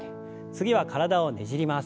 次は体をねじります。